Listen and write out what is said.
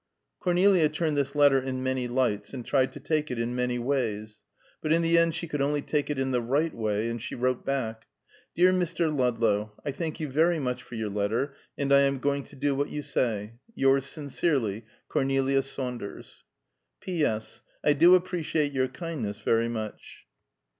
Cornelia turned this letter in many lights, and tried to take it in many ways; but in the end she could only take it in the right way, and she wrote back: "DEAR MR. LUDLOW: I thank you very much for your letter, and I am going to do what you say. Yours sincerely, "CORNELIA SAUNDERS. "P. S. I do appreciate your kindness very much."